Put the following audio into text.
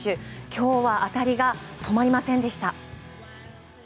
今日は当たりが止まりませんでした。